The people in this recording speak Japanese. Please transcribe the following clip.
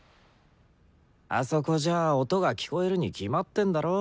あそこじゃあ音が聴こえるに決まってんだろ。